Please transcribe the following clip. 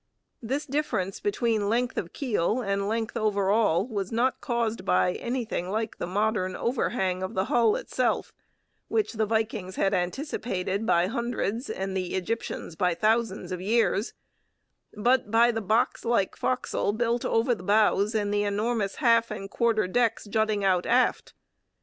This difference between length of keel and length over all was not caused by anything like the modern overhang of the hull itself, which the Vikings had anticipated by hundreds and the Egyptians by thousands of years, but by the box like forecastle built over the bows and the enormous half and quarter decks jutting out aft.